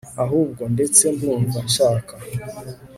ahubwo, ndetse ndumva nshaka